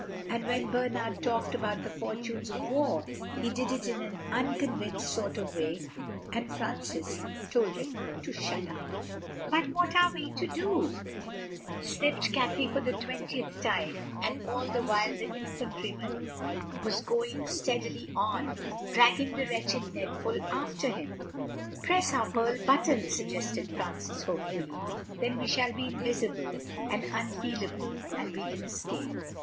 And when Bernard talked about the fortunes of war he did it in an unconvinced sort of way and Francis told him to shut up. [Illustration: In the net.] "But what are we to do," sniffed Cathay for the twentieth time, and all the while the Infantryman was going steadily on, dragging the wretched netful after him. "Press our pearl buttons," suggested Francis hopefully. "Then we shall be invisible and unfeelable and we can escape."